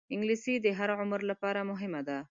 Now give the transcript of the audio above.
انګلیسي د هر عمر لپاره مهمه ده